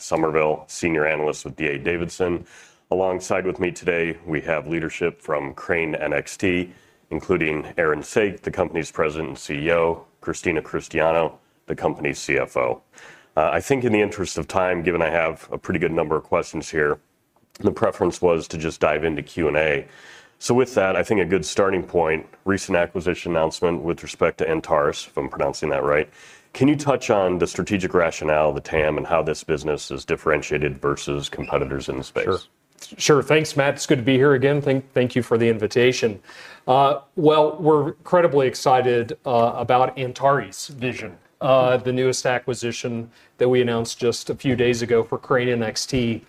Matt Summerville, Senior Analyst with D.A. Davidson. Alongside with me today, we have leadership from Crane NXT, including Aaron Saak, the company's President and CEO, and Christina Cristiano, the company's CFO. I think in the interest of time, given I have a pretty good number of questions here, the preference was to just dive into Q&A. With that, I think a good starting point is the recent acquisition announcement with respect to Antares. If I'm pronouncing that right, can you touch on the strategic rationale of the TAM and how this business is differentiated versus competitors in this sphere? Sure. Thanks, Matt. It's good to be here again. Thank you for the invitation. We're incredibly excited about Antares Vision, the newest acquisition that we announced just a few days ago for Crane NXT.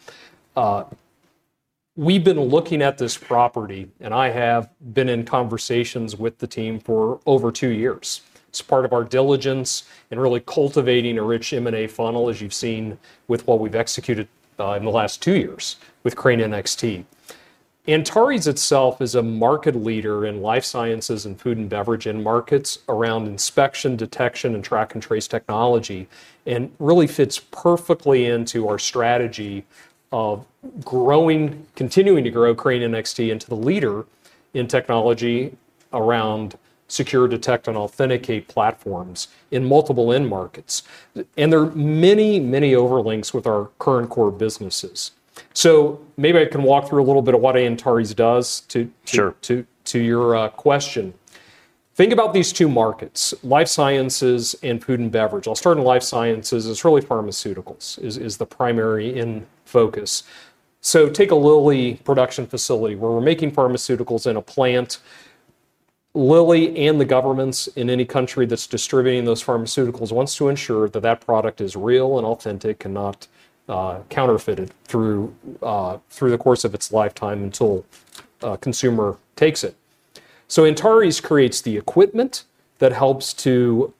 We've been looking at this property, and I have been in conversations with the team for over two years. It's part of our diligence in really cultivating a rich M&A funnel, as you've seen with what we've executed in the last two years with Crane NXT. Antares itself is a market leader in life sciences and food and beverage in markets around inspection and detection systems and track and trace software solutions, and really fits perfectly into our strategy of continuing to grow Crane NXT into the leader in technology around secure, detect, and authenticate platforms in multiple end markets. There are many, many overlaps with our current core businesses. Maybe I can walk through a little bit of what Antares does to your question. Think about these two markets: life sciences and food and beverage. I'll start in life sciences. It's really pharmaceuticals as the primary focus. Take a Lilly production facility where we're making pharmaceuticals in a plant. Lilly and the governments in any country that's distributing those pharmaceuticals want to ensure that that product is real and authentic and not counterfeited through the course of its lifetime until a consumer takes it. Antares creates the equipment that helps to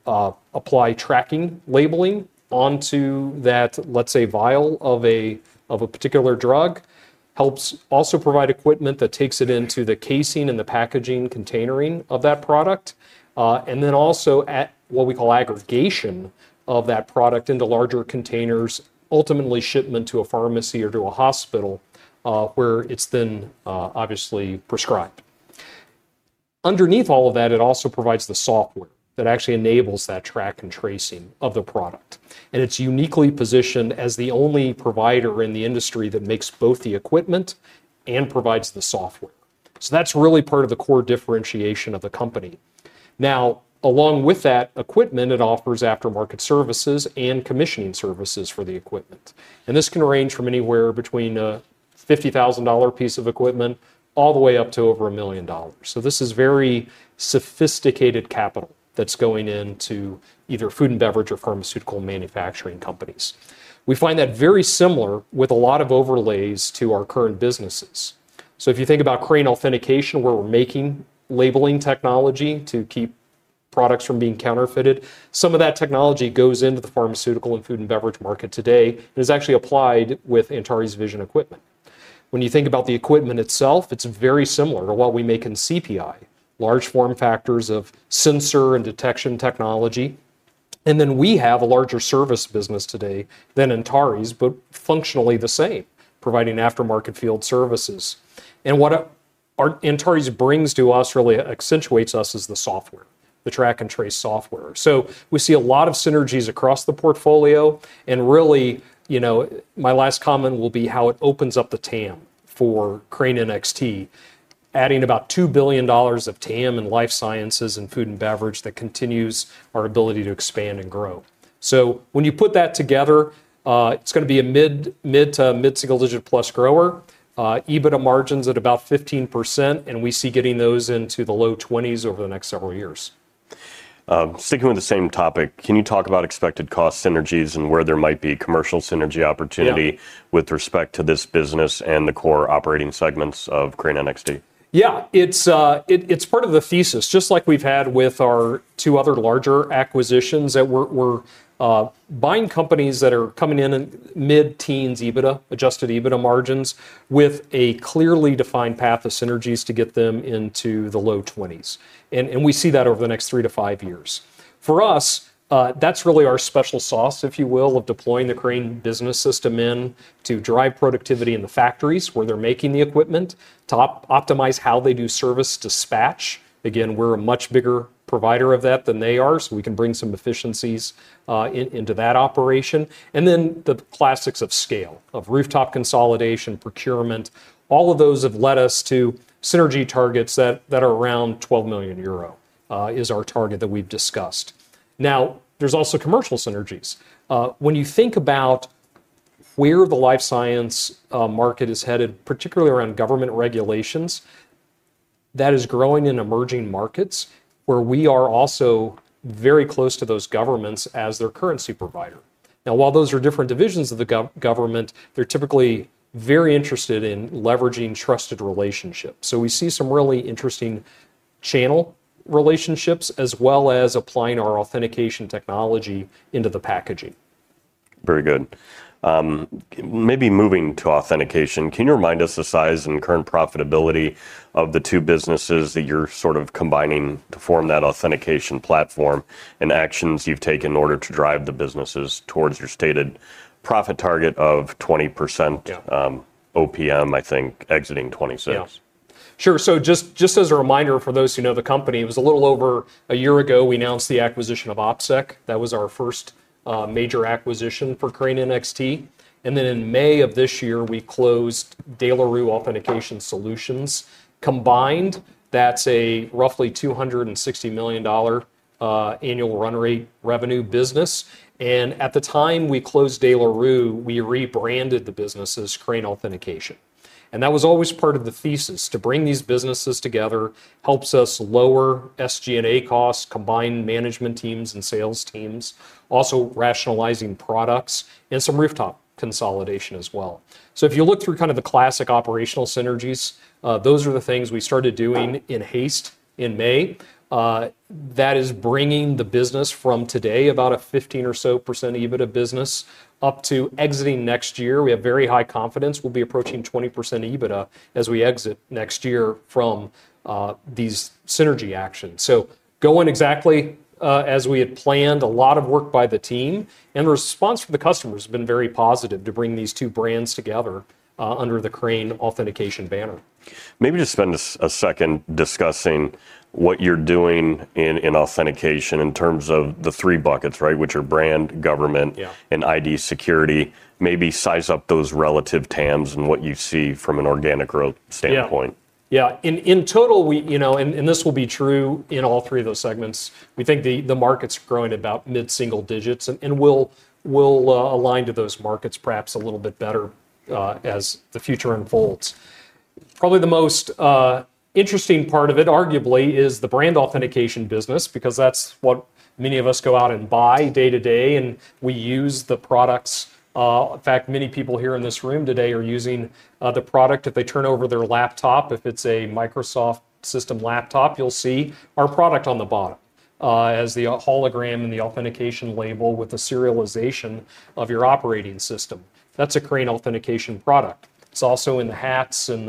apply tracking labeling onto that, let's say, vial of a particular drug. It helps also provide equipment that takes it into the casing and the packaging containering of that product, and then also at what we call aggregation of that product into larger containers, ultimately shipment to a pharmacy or to a hospital where it's then obviously prescribed. Underneath all of that, it also provides the software that actually enables that track and tracing of the product. It's uniquely positioned as the only provider in the industry that makes both the equipment and provides the software. That's really part of the core differentiation of the company. Along with that equipment, it offers aftermarket services and commissioning services for the equipment. This can range from anywhere between a $50,000 piece of equipment all the way up to over $1 million. This is very sophisticated capital that's going into either food and beverage or pharmaceutical manufacturing companies. We find that very similar with a lot of overlays to our current businesses. If you think about Crane Authentication, where we're making labeling technology to keep products from being counterfeited, some of that technology goes into the pharmaceutical and food and beverage market today and is actually applied with Antares Vision equipment. When you think about the equipment itself, it's very similar to what we make in CPI, large form factors of sensor and detection technology. We have a larger service business today than Antares, but functionally the same, providing aftermarket field services. What Antares brings to us really accentuates us is the software, the track and trace software. We see a lot of synergies across the portfolio. My last comment will be how it opens up the TAM for Crane NXT, adding about $2 billion of TAM in life sciences and food and beverage that continues our ability to expand and grow. When you put that together, it's going to be a mid to mid-single-digit plus grower, EBITDA margins at about 15%, and we see getting those into the low 20% over the next several years. Sticking with the same topic, can you talk about expected cost synergies and where there might be commercial synergy opportunity with respect to this business and the core operating segments of Crane NXT? Yeah, it's part of the thesis, just like we've had with our two other larger acquisitions that we're buying companies that are coming in at mid-teens EBITDA, adjusted EBITDA margins, with a clearly defined path of synergies to get them into the low 20s. We see that over the next three to five years. For us, that's really our special sauce, if you will, of deploying the Crane Business System to drive productivity in the factories where they're making the equipment, to optimize how they do service dispatch. We're a much bigger provider of that than they are, so we can bring some efficiencies into that operation. The classics of scale, of rooftop consolidation, procurement, all of those have led us to synergy targets that are around 12 million euro is our target that we've discussed. There's also commercial synergies. When you think about where the life science market is headed, particularly around government regulations, that is growing in emerging markets where we are also very close to those governments as their currency provider. While those are different divisions of the government, they're typically very interested in leveraging trusted relationships. We see some really interesting channel relationships, as well as applying our authentication technology into the packaging. Very good. Maybe moving to authentication, can you remind us the size and current profitability of the two businesses that you're sort of combining to form that authentication platform, and actions you've taken in order to drive the businesses towards your stated profit target of 20% OPM, I think, exiting 2026. Sure. Just as a reminder for those who know the company, it was a little over a year ago we announced the acquisition of OpSec. That was our first major acquisition for Crane NXT. In May of this year, we closed De La Rue Authentication Solutions combined. That's a roughly $260 million annual run rate revenue business. At the time we closed De La Rue, we rebranded the business as Crane Authentication. That was always part of the thesis, to bring these businesses together helps us lower SG&A costs, combine management teams and sales teams, also rationalizing products and some rooftop consolidation as well. If you look through the classic operational synergies, those are the things we started doing in haste in May. That is bringing the business from today, about a 15% or so EBITDA business, up to exiting next year. We have very high confidence we'll be approaching 20% EBITDA as we exit next year from these synergy actions. Going exactly as we had planned, a lot of work by the team, and the response from the customers has been very positive to bring these two brands together under the Crane Authentication banner. Maybe just spend a second discussing what you're doing in authentication in terms of the three buckets, right, which are brand, government, and ID security. Maybe size up those relative TAMs and what you see from an organic growth standpoint. Yeah, in total, you know, and this will be true in all three of those segments. We think the market's growing about mid-single digits, and we'll align to those markets perhaps a little bit better as the future unfolds. Probably the most interesting part of it, arguably, is the brand authentication business because that's what many of us go out and buy day to day, and we use the products. In fact, many people here in this room today are using the product. If they turn over their laptop, if it's a Microsoft system laptop, you'll see our product on the bottom as the hologram and the authentication label with the serialization of your operating system. That's a Crane Authentication product. It's also in the hats and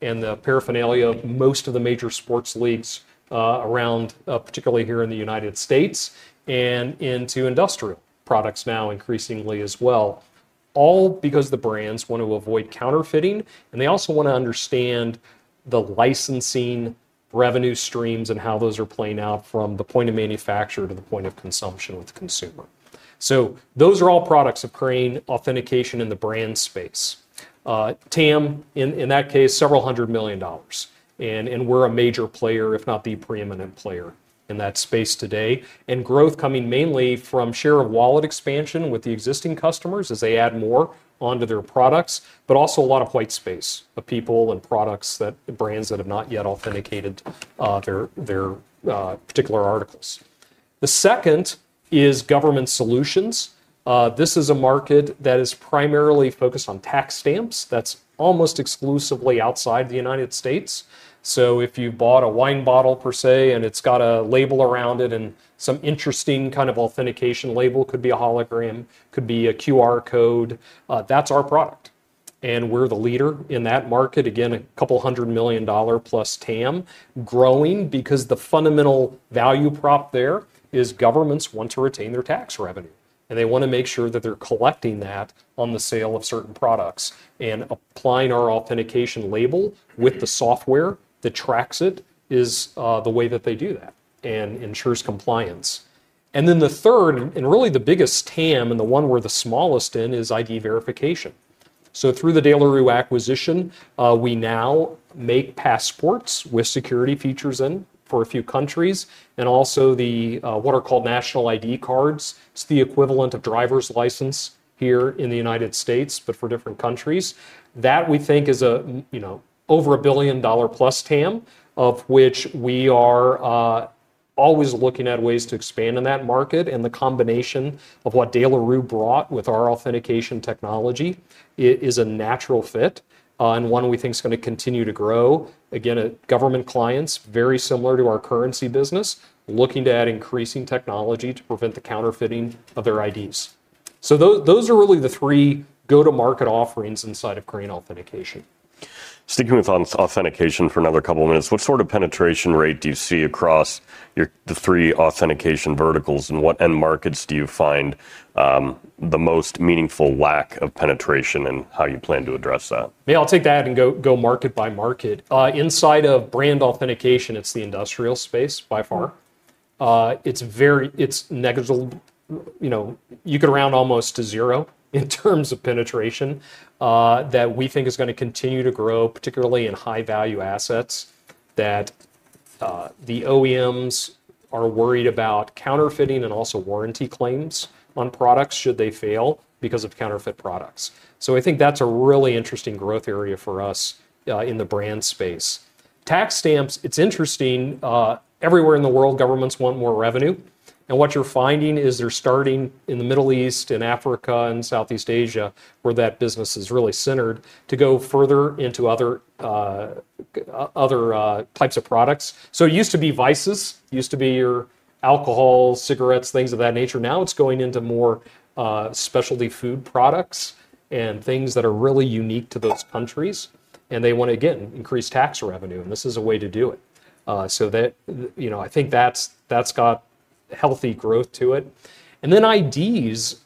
the paraphernalia of most of the major sports leagues around, particularly here in the U.S., and into industrial products now increasingly as well, all because the brands want to avoid counterfeiting, and they also want to understand the licensing revenue streams and how those are playing out from the point of manufacture to the point of consumption with the consumer. Those are all products of Crane Authentication in the brand space. TAM, in that case, several hundred million dollars, and we're a major player, if not the preeminent player in that space today, and growth coming mainly from share of wallet expansion with the existing customers as they add more onto their products, but also a lot of white space of people and products that brands that have not yet authenticated their particular articles. The second is government solutions. This is a market that is primarily focused on tax stamps. That's almost exclusively outside the U.S. If you bought a wine bottle per se, and it's got a label around it and some interesting kind of authentication label, it could be a hologram, it could be a QR code, that's our product. We're the leader in that market, again, a couple hundred million dollar plus TAM growing because the fundamental value prop there is governments want to retain their tax revenue, and they want to make sure that they're collecting that on the sale of certain products. Applying our authentication label with the software that tracks it is the way that they do that and ensures compliance. The third, and really the biggest TAM, and the one we're the smallest in, is ID verification. Through the De La Rue acquisition, we now make passports with security features in for a few countries, and also what are called national ID cards. It's the equivalent of driver's license here in the U.S., but for different countries. That we think is a, you know, over $1+ billion TAM, of which we are always looking at ways to expand in that market. The combination of what De La Rue brought with our authentication technology is a natural fit and one we think is going to continue to grow. Again, government clients, very similar to our currency business, looking to add increasing technology to prevent the counterfeiting of their IDs. Those are really the three go-to-market offerings inside of Crane Authentication. Sticking with authentication for another couple of minutes, what sort of penetration rate do you see across the three authentication verticals? What end markets do you find the most meaningful lack of penetration, and how do you plan to address that? Yeah, I'll take that and go market by market. Inside of brand authentication, it's the industrial space by far. It's very, you know, you could round almost to zero in terms of penetration that we think is going to continue to grow, particularly in high-value assets that the OEMs are worried about counterfeiting and also warranty claims on products should they fail because of counterfeit products. I think that's a really interesting growth area for us in the brand space. Tax stamps, it's interesting. Everywhere in the world, governments want more revenue. What you're finding is they're starting in the Middle East and Africa and Southeast Asia, where that business is really centered, to go further into other types of products. It used to be vices, used to be your alcohol, cigarettes, things of that nature. Now it's going into more specialty food products and things that are really unique to those countries. They want to, again, increase tax revenue, and this is a way to do it. I think that's got healthy growth to it. Then IDs,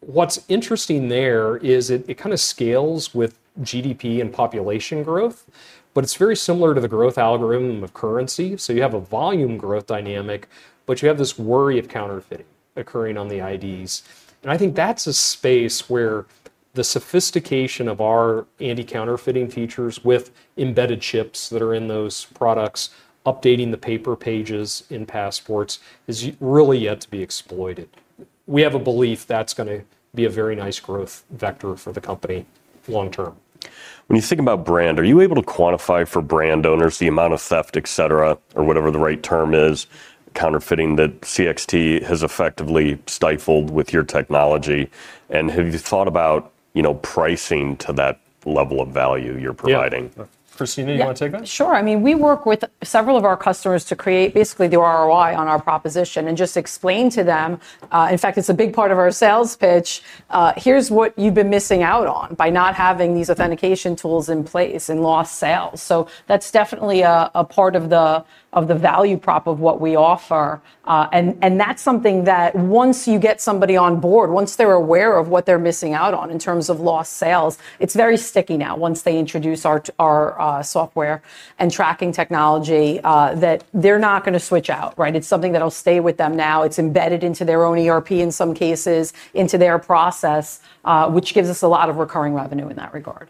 what's interesting there is it kind of scales with GDP and population growth, but it's very similar to the growth algorithm of currency. You have a volume growth dynamic, but you have this worry of counterfeiting occurring on the IDs. I think that's a space where the sophistication of our anti-counterfeiting features with embedded chips that are in those products, updating the paper pages in passports, is really yet to be exploited. We have a belief that's going to be a very nice growth vector for the company long term. When you think about brand, are you able to quantify for brand owners the amount of theft, et cetera, or whatever the right term is, counterfeiting that CXT has effectively stifled with your technology? Have you thought about, you know, pricing to that level of value you're providing? Christina, you want to take that? Sure. I mean, we work with several of our customers to create basically the ROI on our proposition and just explain to them, in fact, it's a big part of our sales pitch, here's what you've been missing out on by not having these authentication tools in place and lost sales. That's definitely a part of the value prop of what we offer. That's something that once you get somebody on board, once they're aware of what they're missing out on in terms of lost sales, it's very sticky now once they introduce our software and tracking technology that they're not going to switch out, right? It's something that will stay with them now. It's embedded into their own ERP in some cases, into their process, which gives us a lot of recurring revenue in that regard.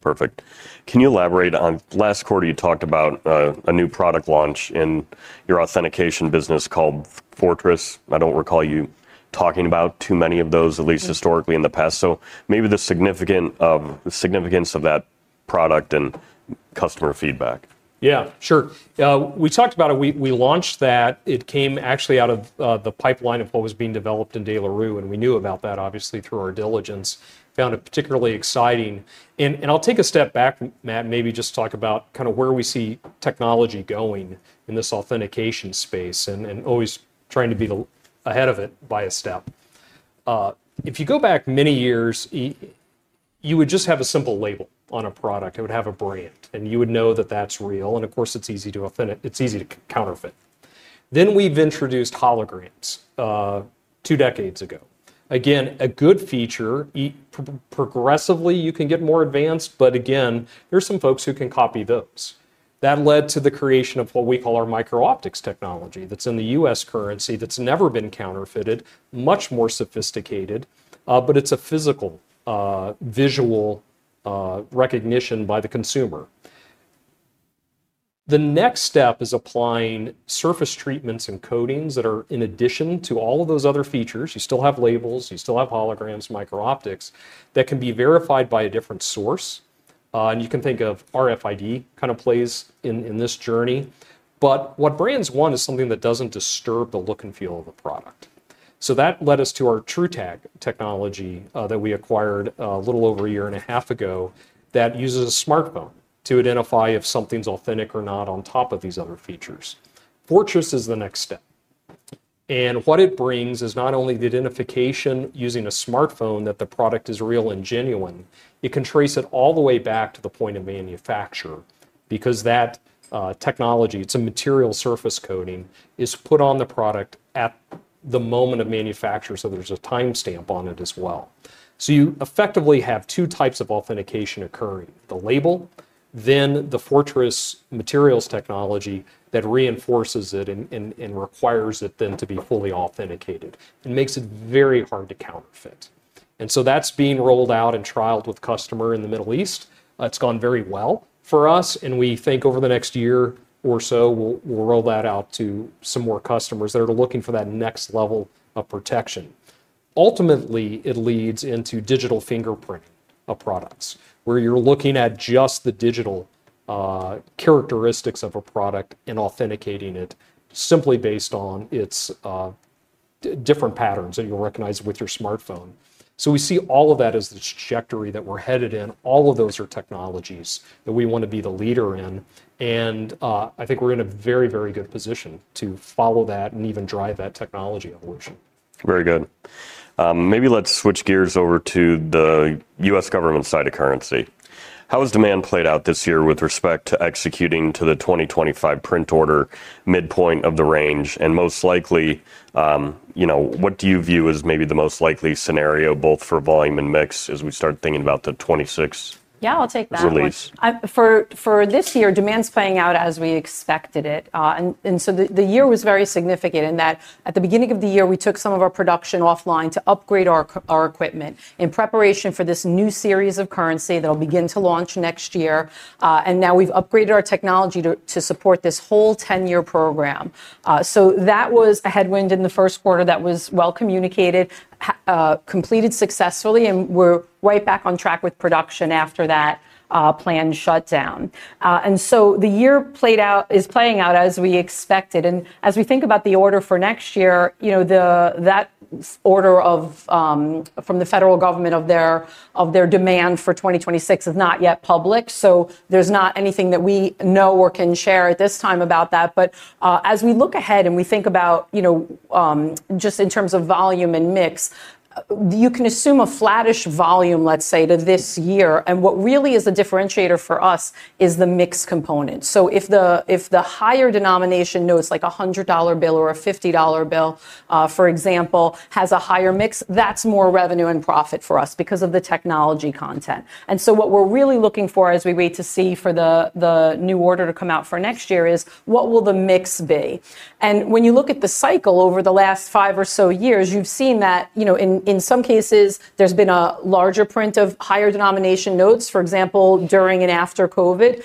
Perfect. Can you elaborate on last quarter you talked about a new product launch in your authentication business called Fortress? I don't recall you talking about too many of those, at least historically in the past. Maybe the significance of that product and customer feedback. Yeah, sure. We talked about it. We launched that. It came actually out of the pipeline of what was being developed in De La Rue, and we knew about that, obviously, through our diligence. Found it particularly exciting. I'll take a step back, Matt, and maybe just talk about kind of where we see technology going in this authentication space and always trying to be ahead of it by a step. If you go back many years, you would just have a simple label on a product. It would have a brand, and you would know that that's real. Of course, it's easy to counterfeit. Then we've introduced holograms two decades ago. Again, a good feature. Progressively, you can get more advanced, but again, there's some folks who can copy those. That led to the creation of what we call our microoptics technology that's in the U.S. currency that's never been counterfeited, much more sophisticated, but it's a physical visual recognition by the consumer. The next step is applying surface treatments and coatings that are, in addition to all of those other features, you still have labels, you still have holograms, microoptics that can be verified by a different source. You can think of RFID kind of plays in this journey. What brands want is something that doesn't disturb the look and feel of the product. That led us to our TruTag technology that we acquired a little over a year and a half ago that uses a smartphone to identify if something's authentic or not on top of these other features. Fortress is the next step. What it brings is not only the identification using a smartphone that the product is real and genuine, you can trace it all the way back to the point of manufacture because that technology, it's a material surface coating, is put on the product at the moment of manufacture. There's a timestamp on it as well. You effectively have two types of authentication occurring, the label, then the Fortress materials technology that reinforces it and requires it then to be fully authenticated and makes it very hard to counterfeit. That's being rolled out and trialed with customers in the Middle East. It's gone very well for us, and we think over the next year or so, we'll roll that out to some more customers that are looking for that next level of protection. Ultimately, it leads into digital fingerprint of products where you're looking at just the digital characteristics of a product and authenticating it simply based on its different patterns that you'll recognize with your smartphone. We see all of that as the trajectory that we're headed in. All of those are technologies that we want to be the leader in. I think we're in a very, very good position to follow that and even drive that technology evolution. Very good. Maybe let's switch gears over to the U.S. government side of currency. How has demand played out this year with respect to executing to the 2025 print order midpoint of the range? What do you view as maybe the most likely scenario both for volume and mix as we start thinking about the 2026 release? Yeah, I'll take that. For this year, demand's playing out as we expected it. The year was very significant in that at the beginning of the year, we took some of our production offline to upgrade our equipment in preparation for this new series of currency that will begin to launch next year. We have upgraded our technology to support this whole 10-year program. That was a headwind in the first quarter that was well communicated, completed successfully, and we're right back on track with production after that planned shutdown. The year played out, is playing out as we expected. As we think about the order for next year, that order from the federal government of their demand for 2026 is not yet public. There's not anything that we know or can share at this time about that. As we look ahead and we think about, just in terms of volume and mix, you can assume a flattish volume, let's say, to this year. What really is a differentiator for us is the mix component. If the higher denomination notes, like a $100 bill or a $50 bill, for example, has a higher mix, that's more revenue and profit for us because of the technology content. What we're really looking for as we wait to see for the new order to come out for next year is what will the mix be? When you look at the cycle over the last five or so years, you've seen that in some cases, there's been a larger print of higher denomination notes, for example, during and after COVID.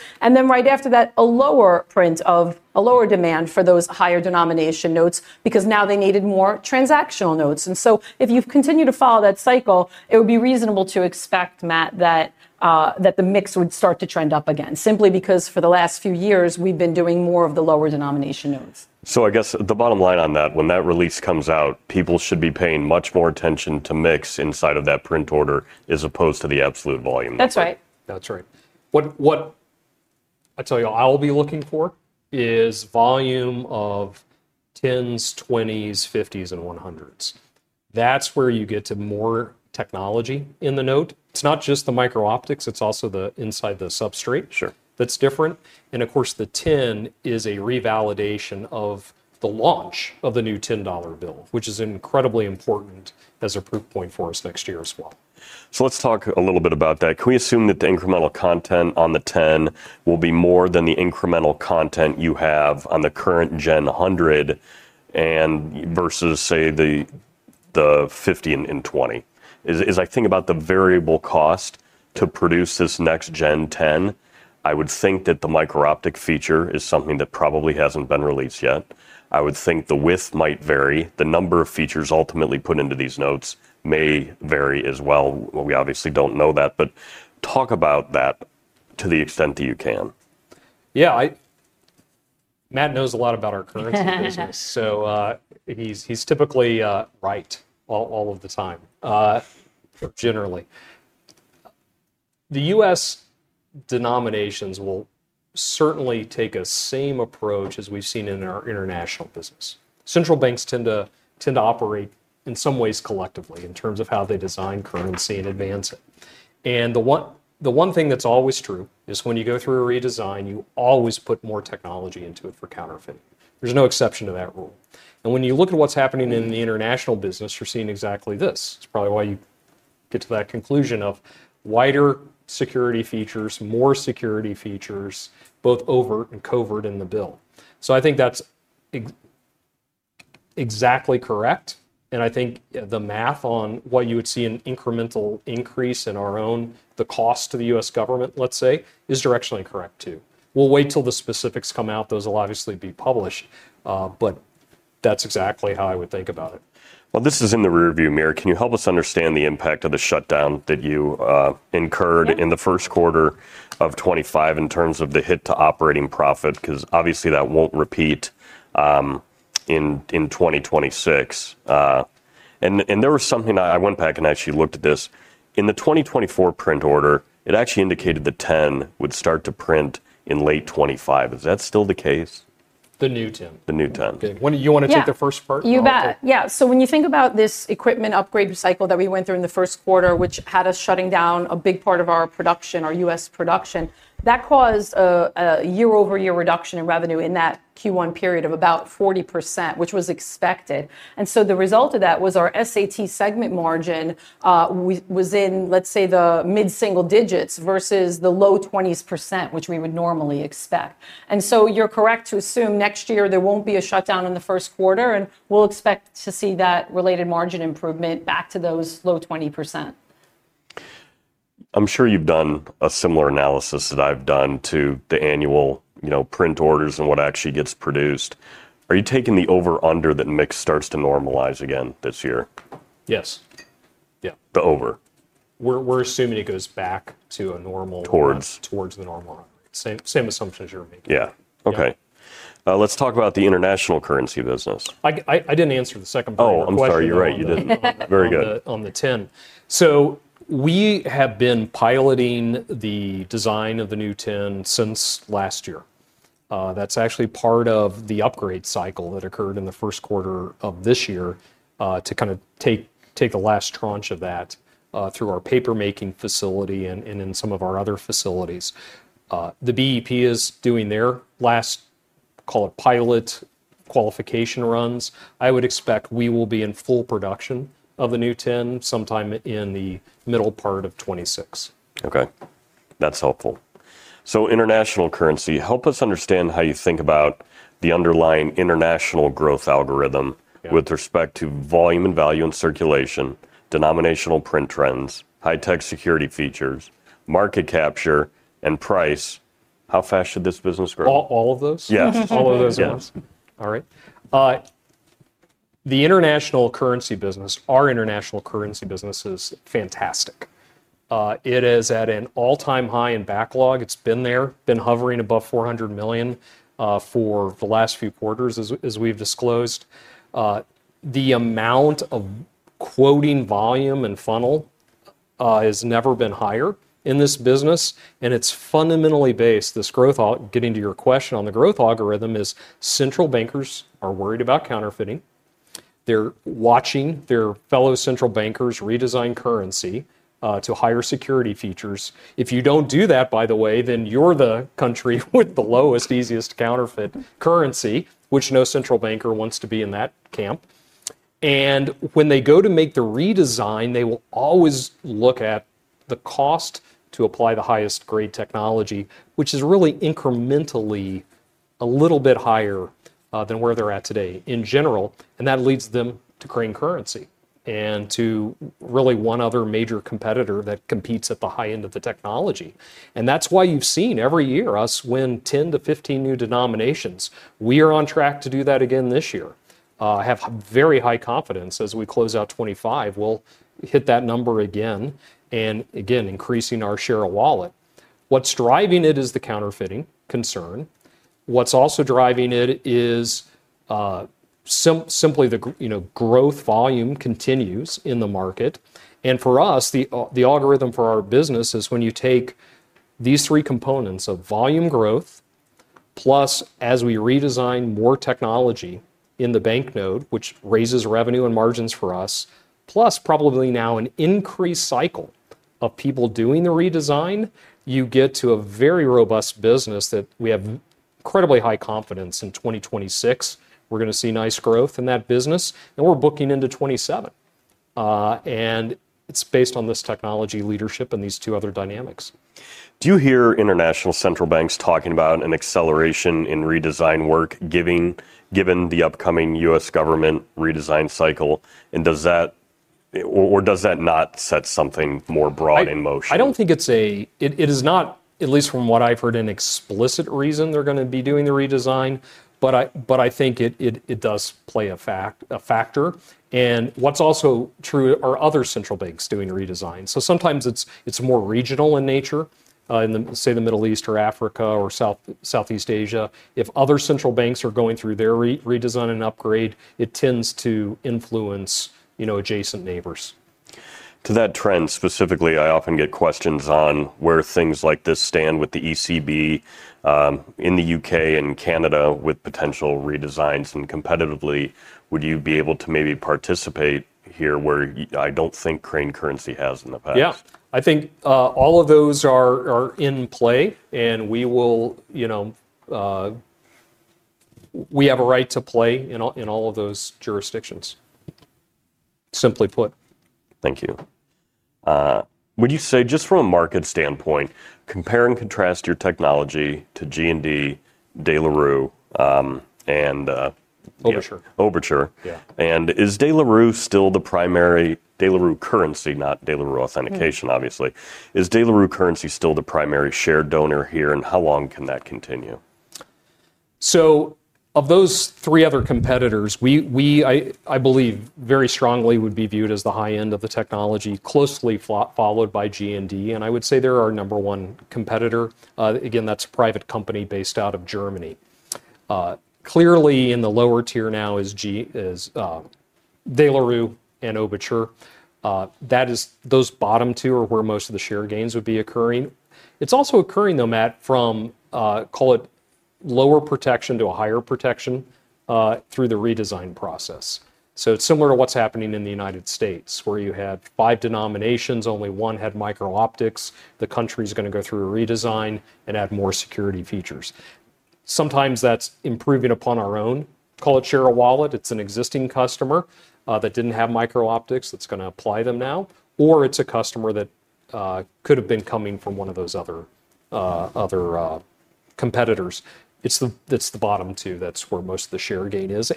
Right after that, a lower print of a lower demand for those higher denomination notes because now they needed more transactional notes. If you continue to follow that cycle, it would be reasonable to expect, Matt, that the mix would start to trend up again, simply because for the last few years, we've been doing more of the lower denomination notes. I guess the bottom line on that, when that release comes out, people should be paying much more attention to mix inside of that print order as opposed to the absolute volume. That's right. That's right. What I tell you I'll be looking for is volume of 10s, 20s, 50s, and 100s. That's where you get to more technology in the note. It's not just the microoptics. It's also the inside the substrate that's different. The 10 is a revalidation of the launch of the new $10 bill, which is incredibly important as a proof point for us next year as well. Let's talk a little bit about that. Can we assume that the incremental content on the $10 will be more than the incremental content you have on the current Gen 100 versus, say, the 50 and 20? As I think about the variable cost to produce this next Gen 10, I would think that the microoptic feature is something that probably hasn't been released yet. I would think the width might vary. The number of features ultimately put into these notes may vary as well. Obviously, we don't know that, but talk about that to the extent that you can. Yeah, Matt knows a lot about our currency business, so he's typically right all of the time, generally. The U.S. denominations will certainly take a same approach as we've seen in our international business. Central banks tend to operate in some ways collectively in terms of how they design currency and advance it. The one thing that's always true is when you go through a redesign, you always put more technology into it for counterfeiting. There's no exception to that rule. When you look at what's happening in the international business, you're seeing exactly this. It's probably why you get to that conclusion of wider security features, more security features, both overt and covert in the bill. I think that's exactly correct. I think the math on what you would see an incremental increase in our own, the cost to the U.S. government, let's say, is directionally correct too. We'll wait till the specifics come out. Those will obviously be published, but that's exactly how I would think about it. This is in the rearview mirror. Can you help us understand the impact of the shutdown that you incurred in the first quarter of 2025 in terms of the hit to operating profit? Obviously, that won't repeat in 2026. There was something I went back and actually looked at this. In the 2024 print order, it actually indicated the $10 would start to print in late 2025. Is that still the case? The new $10. The new $10. Okay, you want to take the first part? You bet. Yeah. When you think about this equipment upgrade cycle that we went through in the first quarter, which had us shutting down a big part of our production, our U.S. production, that caused a year-over-year reduction in revenue in that Q1 period of about 40%, which was expected. The result of that was our SAT segment margin was in, let's say, the mid-single digits versus the low 20%, which we would normally expect. You're correct to assume next year there won't be a shutdown in the first quarter, and we'll expect to see that related margin improvement back to those low 20%. I'm sure you've done a similar analysis that I've done to the annual print orders and what actually gets produced. Are you taking the over-under that mix starts to normalize again this year? Yes. Yeah. The over. We're assuming it goes back to a normal cycle. Towards. Towards the normal. Same assumptions you're making. Yeah. Okay. Let's talk about the international currency business. I didn't answer the second part. Oh, I'm sorry. You're right. You did. Very good. We have been piloting the design of the new $10 since last year. That's actually part of the upgrade cycle that occurred in the first quarter of this year to take the last tranche of that through our papermaking facility and in some of our other facilities. The BEP is doing their last, call it, pilot qualification runs. I would expect we will be in full production of the new $10 sometime in the middle part of 2026. Okay. That's helpful. International currency, help us understand how you think about the underlying international growth algorithm with respect to volume and value in circulation, denominational print trends, high-tech security features, market capture, and price. How fast should this business grow? All of those? Yes. All of those ones. All right. The international currency business, our international currency business is fantastic. It is at an all-time high in backlog. It's been there, been hovering above $400 million for the last few quarters, as we've disclosed. The amount of quoting volume and funnel has never been higher in this business, and it's fundamentally based. This growth, getting to your question on the growth algorithm, is central bankers are worried about counterfeiting. They're watching their fellow central bankers redesign currency to higher security features. If you don't do that, by the way, then you're the country with the lowest, easiest to counterfeit currency, which no central banker wants to be in that camp. When they go to make the redesign, they will always look at the cost to apply the highest grade technology, which is really incrementally a little bit higher than where they're at today in general. That leads them to Crane currency and to really one other major competitor that competes at the high end of the technology. That's why you've seen every year us win 10-15 new denominations. We are on track to do that again this year. I have very high confidence as we close out 2025, we'll hit that number again and again increasing our share of wallet. What's driving it is the counterfeiting concern. What's also driving it is simply the growth volume continues in the market. For us, the algorithm for our business is when you take these three components of volume growth, plus as we redesign more technology in the banknote, which raises revenue and margins for us, plus probably now an increased cycle of people doing the redesign, you get to a very robust business that we have incredibly high confidence in 2026. We're going to see nice growth in that business, and we're booking into 2027. It's based on this technology leadership and these two other dynamics. Do you hear international central banks talking about an acceleration in redesign work, given the upcoming U.S. government redesign cycle? Does that, or does that not set something more broad in motion? I don't think it's, it is not, at least from what I've heard, an explicit reason they're going to be doing the redesign, but I think it does play a factor. What's also true are other central banks doing redesign. Sometimes it's more regional in nature, in say the Middle East or Africa or Southeast Asia. If other central banks are going through their redesign and upgrade, it tends to influence adjacent neighbors. To that trend specifically, I often get questions on where things like this stand with the ECB in the U.K. and Canada with potential redesigns and competitively. Would you be able to maybe participate here where I don't think Crane Currency has in the past? Yeah, I think all of those are in play, and we will, you know, we have a right to play in all of those jurisdictions, simply put. Thank you. Would you say just from a market standpoint, compare and contrast your technology to G&D, De La Rue, and Overture? Yeah. Is De La Rue still the primary, De La Rue currency, not De La Rue Authentication, obviously. Is De La Rue currency still the primary shared donor here, and how long can that continue? Of those three other competitors, we, I believe, very strongly would be viewed as the high end of the technology, closely followed by G&D. I would say they're our number one competitor. That's a private company based out of Germany. Clearly, in the lower tier now is De La Rue and Overture. Those bottom two are where most of the share gains would be occurring. It's also occurring, though, Matt, from, call it, lower protection to a higher protection through the redesign process. It's similar to what's happening in the U.S., where you had five denominations, only one had microoptics. The country's going to go through a redesign and add more security features. Sometimes that's improving upon our own, call it, share of wallet. It's an existing customer that didn't have microoptics that's going to apply them now, or it's a customer that could have been coming from one of those other competitors. It's the bottom two. That's where most of the share gain is.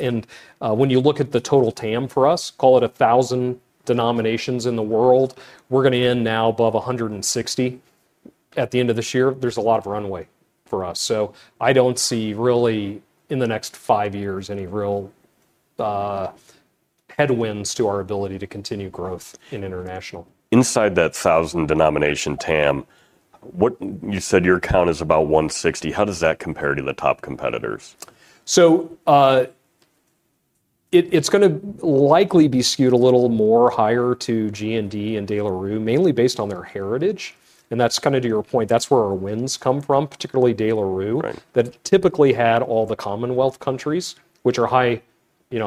When you look at the total TAM for us, call it a thousand denominations in the world, we're going to end now above 160 at the end of this year. There's a lot of runway for us. I don't see really in the next five. This city going to unroll my past. I'm moving so fast, I'm leaving all in the dust. City going to unroll my past. I'm moving so fast, I'm leaving all in the dust. They trying to catch up, they ain't got no chance, but I keep my ass. They trying to catch up, they ain't got no chance, but I keep my head down. They focus on my path. Ain't no time for game, no time for distractions. Typically had all the Commonwealth countries, which are a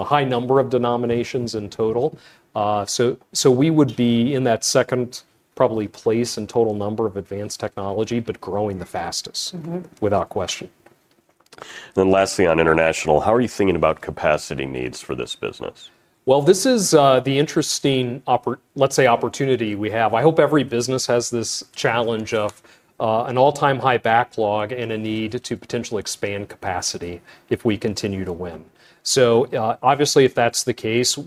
high number of denominations in total. We would be in that second, probably, place in total number of advanced technology, but growing the fastest without question. Lastly, on international, how are you thinking about capacity needs for this business? This is the interesting, let's say, opportunity we have. I hope every business has this challenge of an all-new capacity if we continue to win. Obviously, if that's the case,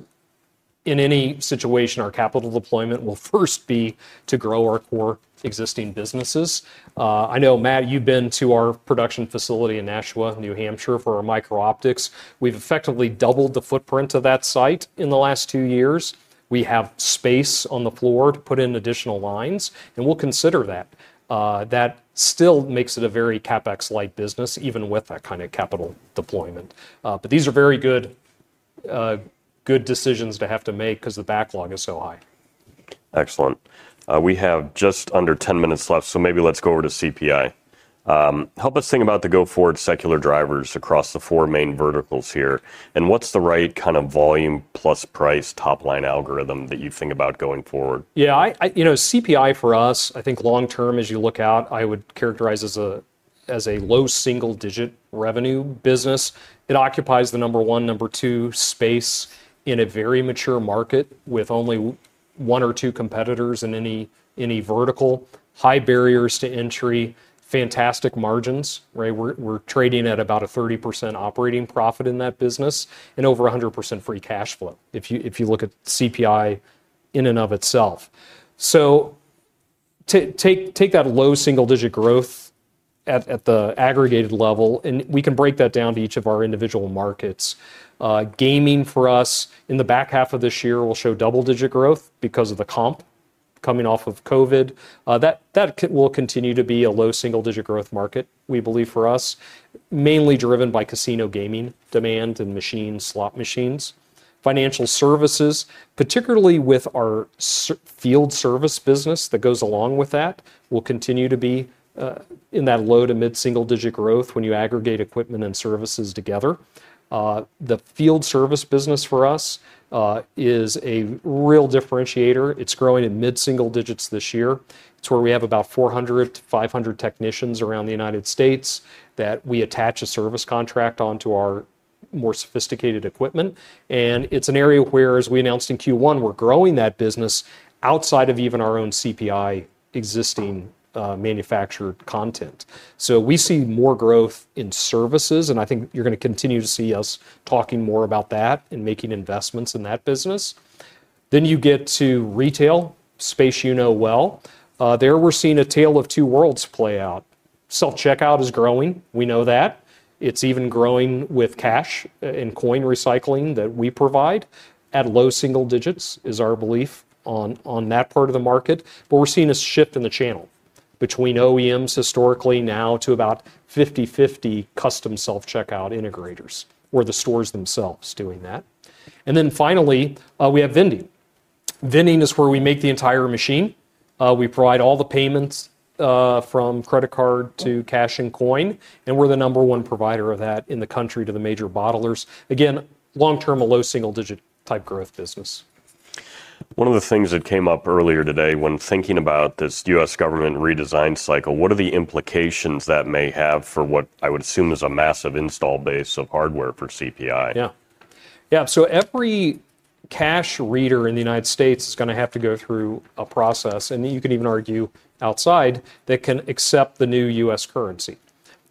in any situation, our capital deployment will first be to grow our core existing businesses. I know, Matt, you've been to our production facility in Nashua, New Hampshire, for our microoptics. We've effectively doubled the footprint of that site in the last two years. We have space on the floor to put in additional lines, and we'll consider that. That still makes it a very CapEx light business, even with that kind of capital deployment. These are very good decisions to have to make because the backlog is so high. Excellent. We have just under 10 minutes left, so maybe let's go over to CPI. Help us think about the go-forward secular drivers across the four main verticals here. What's the right kind of volume plus price top-line algorithm that you think about going forward? Yeah, you know, CPI for us, I think long term, as you look out, I would characterize as a low single-digit revenue business. It occupies the number one, number two space in a very mature market with only one or two competitors in any vertical, high barriers to entry, fantastic margins. We're trading at about a 30% operating profit in that business and over 100% free cash flow if you look at CPI in and of itself. Take that low single-digit growth at the aggregated level, and we can break that down to each of our individual markets. Gaming for us in the back half of this year will show double-digit growth because of the comp coming off of COVID. That will continue to be a low single-digit growth market, we believe, for us, mainly driven by casino gaming demand and machines, slot machines. Financial services, particularly with our field service business that goes along with that, will continue to be in that low to mid-single-digit growth when you aggregate equipment and services together. The field service business for us is a real differentiator. It's growing in mid-single digits this year. It's where we have about 400-500 technicians around the United States that we attach a service contract onto our more sophisticated equipment. It's an area where, as we announced in Q1, we're growing that business outside of even our own CPI existing manufactured content. We see more growth in services, and I think you're going to continue to see us talking more about that and making investments in that business. You get to retail space you know well. There we're seeing a tale of two worlds play out. Self-checkout is growing. We know that. It's even growing with cash and coin recycling that we provide at low single digits is our belief on that part of the market. We're seeing a shift in the channel between OEMs historically now to about 50/50 custom self-checkout integrators or the stores themselves doing that. Finally, we have vending. Vending is where we make the entire machine. We provide all the payments from credit card to cash and coin, and we're the number one provider of that in the country to the major bottlers. Again, long term a low single-digit type growth business. One of the things that came up earlier today when thinking about this U.S. government redesign cycle, what are the implications that may have for what I would assume is a massive installed hardware base for CPI? Yeah. Every cash reader in the U.S. is going to have to go through a process, and you can even argue outside that can accept the new U.S. currency.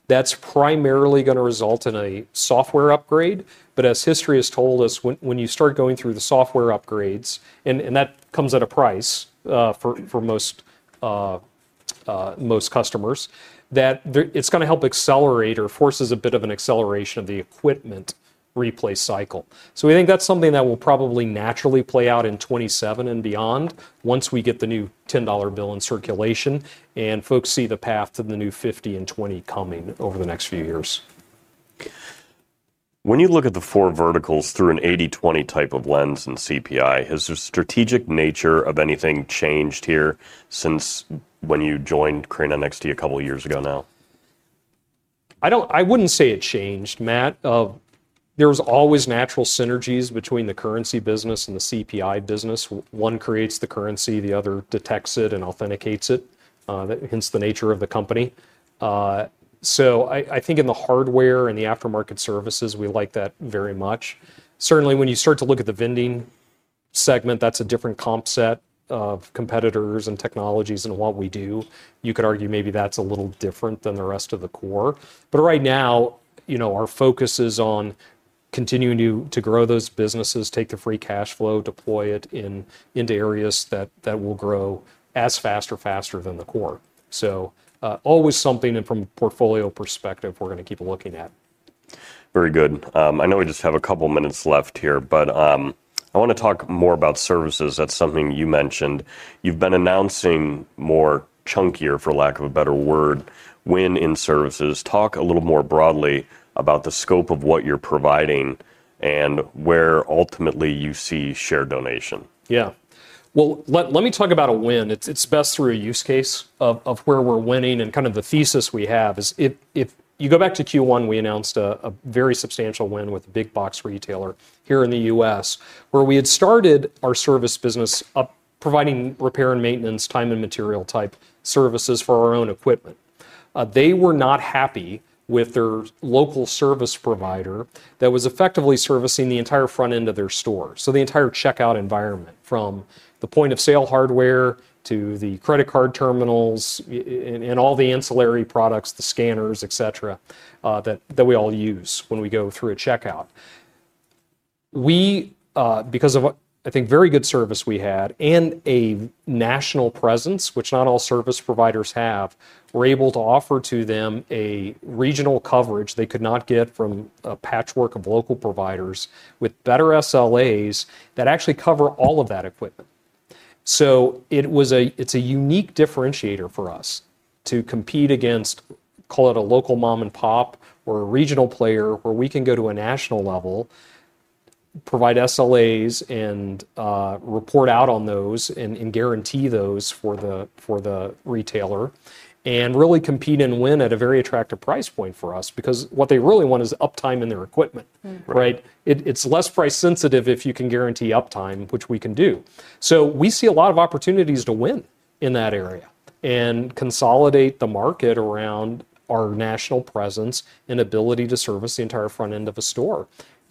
That's primarily going to result in a software upgrade. As history has told us, when you start going through the software upgrades, and that comes at a price for most customers, it's going to help accelerate or force a bit of an acceleration of the equipment replace cycle. We think that's something that will probably naturally play out in 2027 and beyond once we get the new $10 bill in circulation and folks see the path to the new $50 and $20 coming over the next few years. When you look at the four verticals through an 80/20 type of lens in CPI, has the strategic nature of anything changed here since when you joined Crane NXT a couple of years ago now? I wouldn't say it changed, Matt. There was always natural synergies between the currency business and the CPI business. One creates the currency, the other detects it and authenticates it, hence the nature of the company. I think in the hardware and the aftermarket services, we like that very much. Certainly, when you start to look at the vending segment, that's a different comp set of competitors and technologies and what we do. You could argue maybe that's a little different than the rest of the core. Right now, our focus is on continuing to grow those businesses, take the free cash flow, deploy it into areas that will grow as fast or faster than the core. Always something from a portfolio perspective we're going to keep looking at. Very good. I know we just have a couple of minutes left here, but I want to talk more about services. That's something you mentioned. You've been announcing more, chunkier, for lack of a better word, win in services. Talk a little more broadly about the scope of what you're providing and where ultimately you see shared donation. Let me talk about a win. It's best through a use case of where we're winning, and kind of the thesis we have is if you go back to Q1, we announced a very substantial win with a big box retailer here in the U.S. where we had started our service business providing repair and maintenance, time and material type services for our own equipment. They were not happy with their local service provider that was effectively servicing the entire front end of their store. The entire checkout environment from the point of sale hardware to the credit card terminals and all the ancillary products, the scanners, et cetera, that we all use when we go through a checkout. We, because of I think very good service we had and a national presence, which not all service providers have, were able to offer to them a regional coverage they could not get from a patchwork of local providers with better SLAs that actually cover all of that equipment. It's a unique differentiator for us to compete against, call it a local mom and pop or a regional player, where we can go to a national level, provide SLAs and report out on those and guarantee those for the retailer and really compete and win at a very attractive price point for us because what they really want is uptime in their equipment, right? It's less price sensitive if you can guarantee uptime, which we can do. We see a lot of opportunities to win in that area and consolidate the market around our national presence and ability to service the entire front end of a store.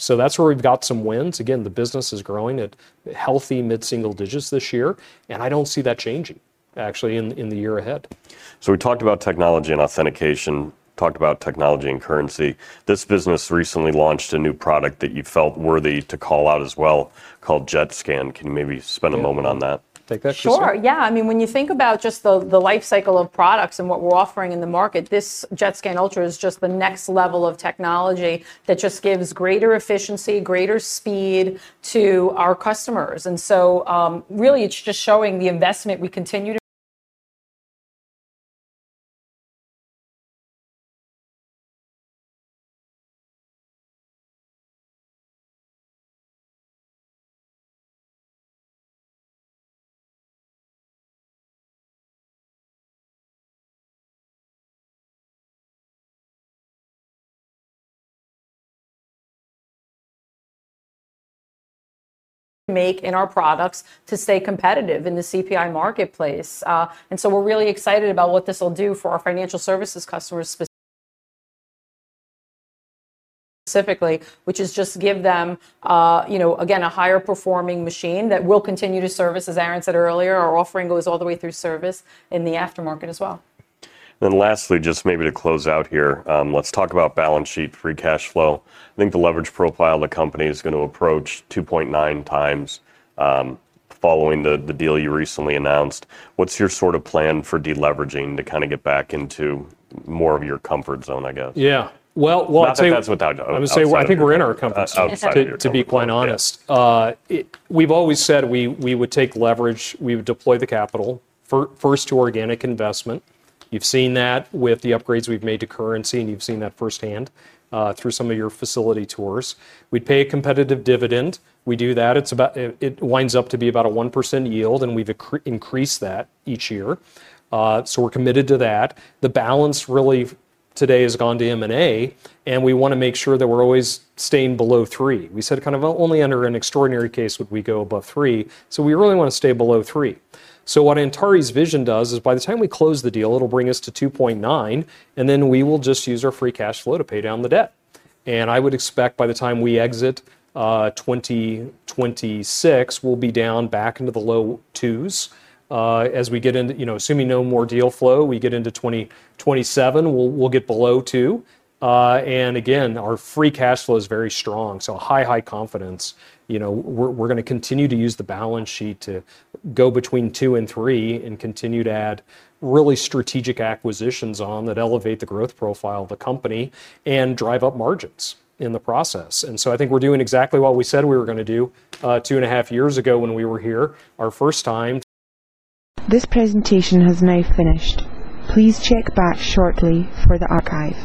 That's where we've got some wins. Again, the business is growing at healthy mid-single digits this year, and I don't see that changing actually in the year ahead. We talked about technology and authentication, talked about technology and currency. This business recently launched a new product that you felt worthy to call out as well, called JetScan. Can you maybe spend a moment on that? Sure. When you think about just the lifecycle of products and what we're offering in the market, this JetScan Ultra is just the next level of technology that gives greater efficiency and greater speed to our customers. It is really just showing the investment we continue to make in our products to stay competitive in the CPI marketplace. We're really excited about what this will do for our financial services customers specifically, which is just give them, you know, again, a higher performing machine that will continue to service, as Aaron said earlier, our offering goes all the way through service in the aftermarket as well. Lastly, just maybe to close out here, let's talk about balance sheet, free cash flow. I think the leverage profile of the company is going to approach 2.9x following the deal you recently announced. What's your sort of plan for deleveraging to kind of get back into more of your comfort zone, I guess? I think I'm going to say I think we're in our comfort zone, to be quite honest. We've always said we would take leverage, we would deploy the capital first to organic investment. You've seen that with the upgrades we've made to currency, and you've seen that firsthand through some of your facility tours. We'd pay a competitive dividend. We do that. It winds up to be about a 1% yield, and we've increased that each year. We're committed to that. The balance really today has gone to M&A, and we want to make sure that we're always staying below three. We said kind of only under an extraordinary case would we go above three. We really want to stay below three. What Antares Vision does is by the time we close the deal, it'll bring us to 2.9, and then we will just use our free cash flow to pay down the debt. I would expect by the time we exit 2026, we'll be down back into the low twos. As we get into, you know, assuming no more deal flow, we get into 2027, we'll get below two. Again, our free cash flow is very strong. High, high confidence, you know, we're going to continue to use the balance sheet to go between two and three and continue to add really strategic acquisitions on that elevate the growth profile of the company and drive up margins in the process. I think we're doing exactly what we said we were going to do two and a half years ago when we were here, our first time. This presentation has now finished. Please check back shortly for the archive.